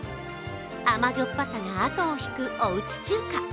甘じょっぱさが後を引くおうち中華。